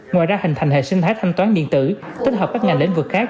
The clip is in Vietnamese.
ngoài ra hình thành hệ sinh thái thanh toán điện tử tích hợp các ngành lĩnh vực khác